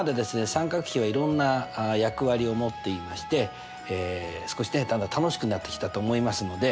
三角比はいろんな役割を持っていまして少しねだんだん楽しくなってきたと思いますので。